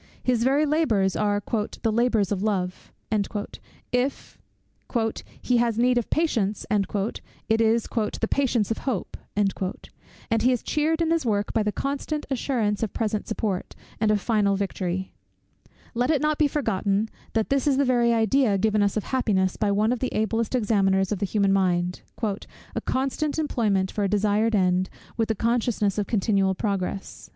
His very labours are "the labours of love;" if "he has need of patience," it is "the patience of hope;" and he is cheered in his work by the constant assurance of present support, and of final victory. Let it not be forgotten, that this is the very idea given us of happiness by one of the ablest examiners of the human mind; "a constant employment for a desired end, with the consciousness of continual progress."